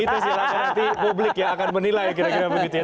kita silakan nanti publik ya akan menilai kira kira begitu ya